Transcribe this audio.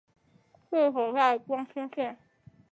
治所在光迁县。